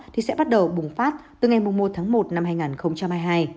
thì sẽ bắt đầu bùng phát từ ngày một tháng một năm hai nghìn hai mươi hai